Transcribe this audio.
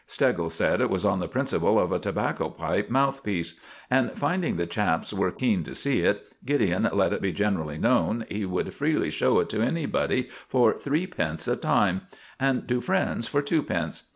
Steggles said it was on the principle of a tobacco pipe mouthpiece; and, finding the chaps were keen to see it, Gideon let it be generally known he would freely show it to anybody for threepence a time, and to friends for twopence.